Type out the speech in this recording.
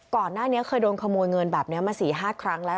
ก่อนหน้านี้เคยโดนขโมยเงินแบบนี้มา๔๕ครั้งแล้ว